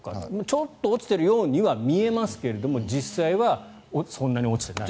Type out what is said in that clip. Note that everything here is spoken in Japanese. ちょっと落ちているようには見えますが実際はそんなに落ちていないと。